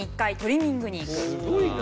すごいな。